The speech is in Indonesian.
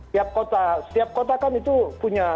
setiap kota kan itu punya ekstrim